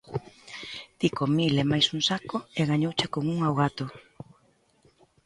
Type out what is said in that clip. Ti con mil e máis un saco e gañouche con unha o gato!